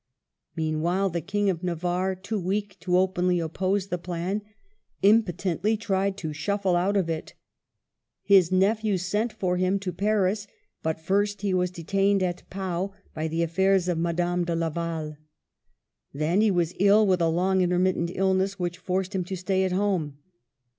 Meanwhile the King of Navarre, too weak to openly oppose the plan, impotently tried to shuffle out of it. His nephew sent for him to Paris, but first he was detained at Pau by the affairs of Madame de Laval. Then he was ill, with a long intermittent illness which forced him to stay at home.